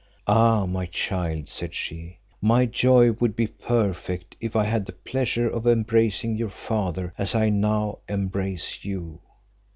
"Ah, my child!" said she, "my joy would be perfect, if I had the pleasure of embracing your father as I now embrace you."